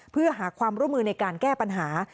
เพื่อหาความร่วมมือในการแก้ปัญหา